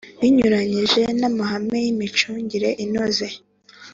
Binyuranyije n’ amahame y ‘imicungire inoze.